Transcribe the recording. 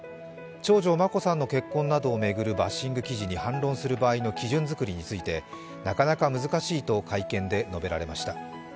長女・眞子さんの結婚などを巡るバッシング記事に反論する基準づくりについてなかなか難しいと会見で述べられました。